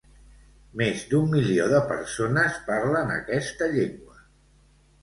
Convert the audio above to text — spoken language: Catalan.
Més d'un milió de persones parlen aquesta llengua.